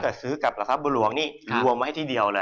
ถ้าเกิดซื้อกับกระทรัพย์บุหรวงนี่รวมไว้ที่เดียวเลย